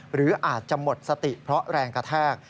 หรืออาจจะหมดสติเพราะแรงกระแทก